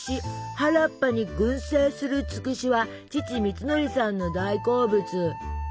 原っぱに群生するつくしは父みつのりさんの大好物。